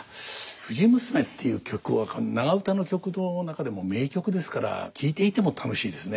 「藤娘」っていう曲は長唄の曲の中でも名曲ですから聴いていても楽しいですね。